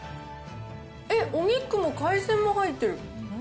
えっ、お肉も海鮮も入ってる。